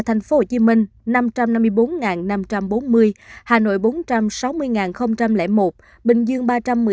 thành phố hồ chí minh năm trăm năm mươi bốn năm trăm bốn mươi hà nội bốn trăm sáu mươi một bình dương ba trăm một mươi tám sáu trăm ba mươi năm